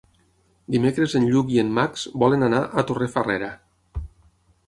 Dimecres en Lluc i en Max volen anar a Torrefarrera.